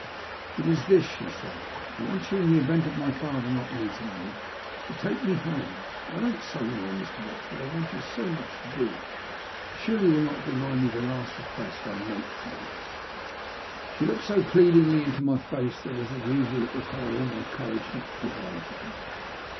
" It is this," she said :" I want you, in the event of my father not meeting me, to take me home. Oh don't say no, Mr. Wrexford, I want you so much to do it. Surely you will not deny me the last request I make to you ?" She looked bo pleadingly into my face that, as usual, it required all my courage not to give way to her.